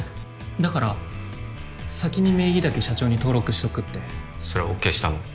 だから先に名義だけ社長に登録しとくってそれＯＫしたの？